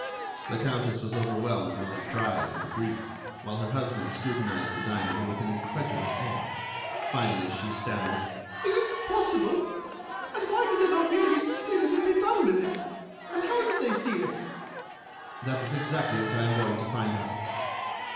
The Countess was overwhelmed with surprise and grief, while her husband scrutinized the diamond with an incredulous air. Finally she stammered: "Is it possible? And why did they not merely steal it and be done with it? And how did they steal it?" "That is exactly what I am going to find out."